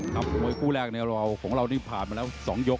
มวยคู่แรกในของเราของเรานี่ผ่านมาแล้ว๒ยก